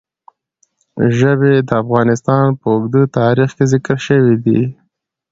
ژبې د افغانستان په اوږده تاریخ کې ذکر شوی دی.